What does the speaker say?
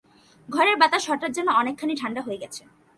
ঘরের বাতাস হঠাৎ যেন অনেকখানি ঠাণ্ডা হয়ে গেছে।